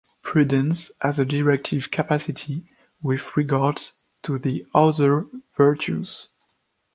Prudence has a directive capacity with regard to the other virtues.